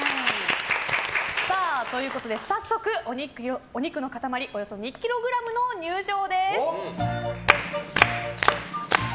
早速、お肉の塊およそ２ｋｇの入場です！